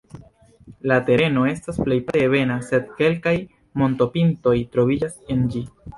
La tereno estas plejparte ebena, sed kelkaj montopintoj troviĝas en ĝi.